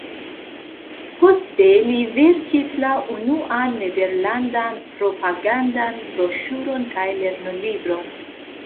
Poste li verkis la unuan nederlandan propagandan broŝuron kaj lernolibron.